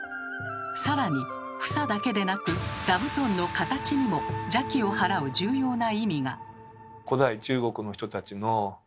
さらに房だけでなく座布団の形にも邪気を払う重要な意味が。